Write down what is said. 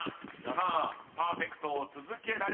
さあパーフェクトを続けられるか］